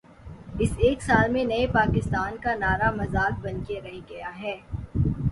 اس ایک سال میں نئے پاکستان کا نعرہ مذاق بن کے رہ گیا ہے۔